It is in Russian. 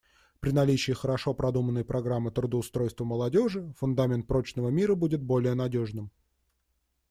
При наличии хорошо продуманной программы трудоустройства молодежи фундамент прочного мира будет более надежным.